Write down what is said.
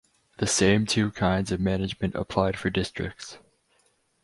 The same two kinds of management applied for districts.